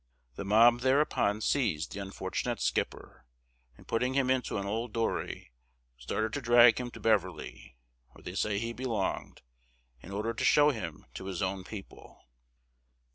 The mob thereupon seized the unfortunate skipper, and putting him into an old dory, started to drag him to Beverly, where they said he belonged, in order to show him to his own people.